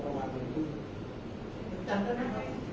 แต่ว่าไม่มีปรากฏว่าถ้าเกิดคนให้ยาที่๓๑